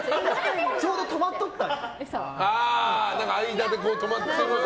ちょうど止まっとったやん。